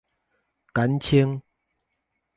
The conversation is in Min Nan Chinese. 簡稱